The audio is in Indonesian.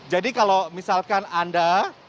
jadi kalau misalkan anda